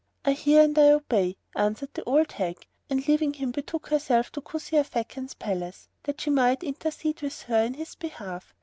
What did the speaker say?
"I hear and I obey," answered the old hag and leaving him betook herself to Kuzia Fakan's palace, that she might intercede with her in his behalf.